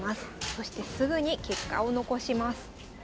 そしてすぐに結果を残します。